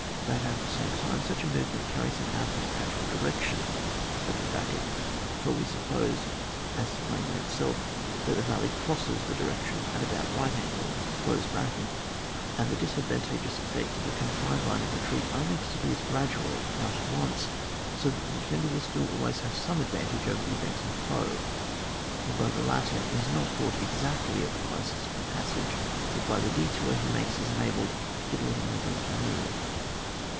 But at the same time, such a movement carries him out of his natural direction (for we sup pose, as is plain in itself, that the val ley crosses that direction at about right 140 ON WAR. [book ti. angles), and tlie disadrantageons efiEect of a confined line of retreat onlj disap pears gradually, not at once, so that the defender will still always have some ad vantage oyer the advancing foe, although the latter is not caught exactly at the crisis of the passage, but by the detour he makes is enabled to get a little more room to move.